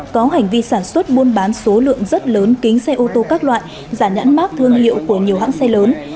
có hành vi sản xuất buôn bán số lượng rất lớn kính xe ô tô các loại giả nhãn mát thương hiệu của nhiều hãng xe lớn